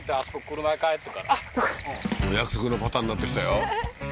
お約束のパターンになってきたよ